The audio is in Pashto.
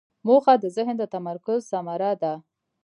موخه د ذهن د تمرکز ثمره ده.